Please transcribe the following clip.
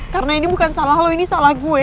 karena ini bukan salah lo ini salah gue